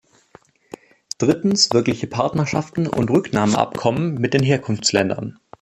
Drittens wirkliche Partnerschaften und Rücknahmeabkommen mit den Herkunftsländern.